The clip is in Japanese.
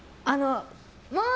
もう！